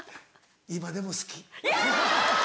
今でも好き。